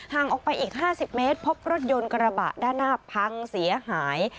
ห่างออกไปอีก๕๐เมตรพบรถยนต์กระบะด้านหน้าพังเสียหาย